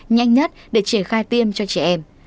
nhanh nhất để triển khai tiêm cho trẻ em